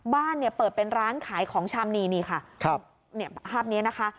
บ้านเปิดเป็นร้านขายของชามนีนีค่ะภาพนี้นะคะ